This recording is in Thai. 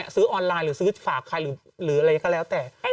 ซื้อออนไลน์หรือซื้อฝากใครหรืออะไรก็แล้วแต่